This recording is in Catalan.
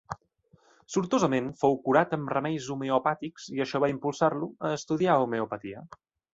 Sortosament fou curat amb remeis homeopàtics i això va impulsar-lo a estudiar homeopatia.